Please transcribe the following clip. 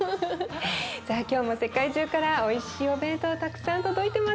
さあ今日も世界中からおいしいお弁当たくさん届いてますよ。